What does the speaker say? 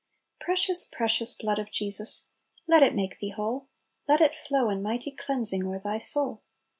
•• Precious, precious blood of Jesus, Let it make thee whole ! Let it flow in mighty cleansing O'er thy soul.